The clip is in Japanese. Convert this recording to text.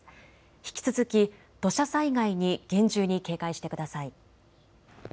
引き続き土砂災害に厳重に警戒してください。